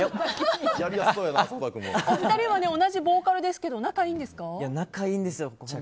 お二人は同じボーカルですけど仲がいいんですよ。